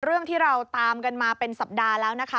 เรื่องที่เราตามกันมาเป็นสัปดาห์แล้วนะคะ